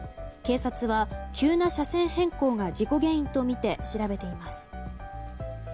警察は急な車線変更が事故原因とみて調べています。